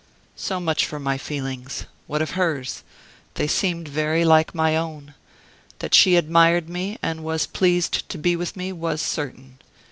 "So much for my feelings. What of hers? They seemed very like my own. That she admired me, and was pleased to be with me, was certain.